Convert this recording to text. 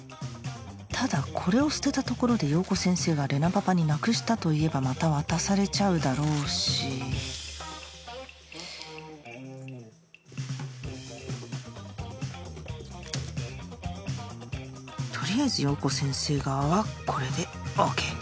ただこれを捨てたところで洋子先生が玲奈パパになくしたと言えばまた渡されちゃうだろうし取りあえず洋子先生側はこれでＯＫ